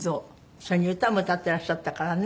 それに歌も歌ってらっしゃったからね。